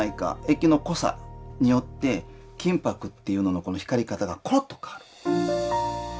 液の濃さによって金箔っていうののこの光り方がコロッと変わる。